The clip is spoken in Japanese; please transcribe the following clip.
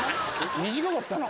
短かったな。